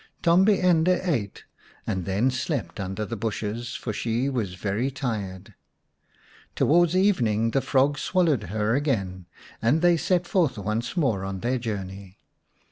Tombi ende ate and then slept under the bushes, for she was very tired. Towards even ing the frog swallowed her again, and they set forth once more on their journey.